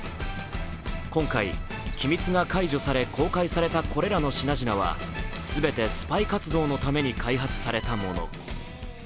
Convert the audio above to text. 今回、機密が解除され、公開されたこれらの品々は全てスパイ活動のために開発されたもの。